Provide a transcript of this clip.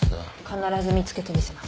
必ず見つけてみせます。